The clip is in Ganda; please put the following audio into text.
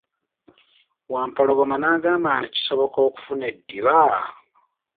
Wampologoma n'agamba nti, kisoboka okufuna eddiba?